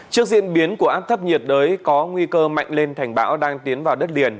trước diễn biến của áp thấp nhiệt đới có nguy cơ mạnh lên thành bão đang tiến vào đất liền